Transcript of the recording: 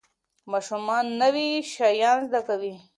ماشومان نوي شیان زده کوي.